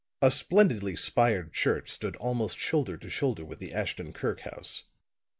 A splendidly spired church stood almost shoulder to shoulder with the Ashton Kirk house.